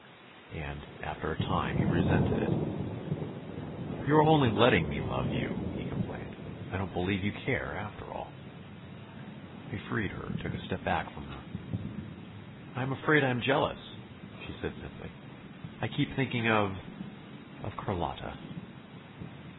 And after a time he resented it. "You are only letting me love you," he complained. "I don't believe you care, after all." He freed her, took a step back from her. "I am afraid I am jealous," she said simply. "I keep thinking of of Carlotta."